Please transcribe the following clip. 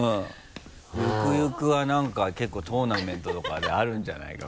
ゆくゆくは何か結構トーナメントとかであるんじゃないか？